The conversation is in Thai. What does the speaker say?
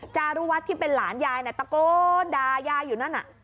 จารุวัฒน์ที่เป็นหลานยายตะโกนด่ายายอยู่นั่น